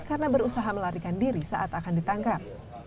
karena berusaha melarikan diri saat akan ditangkap